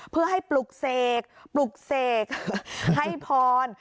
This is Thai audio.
เพื่อให้ปลุกเสกปลุกเสกให้พร